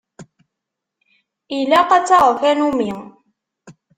Ilaq ad taɣeḍ tanumi.